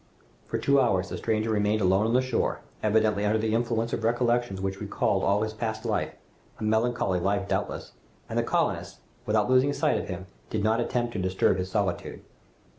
For two hours the stranger remained alone on the shore, evidently under the influence of recollections which recalled all his past life a melancholy life doubtless and the colonists, without losing sight of him, did not attempt to disturb his solitude.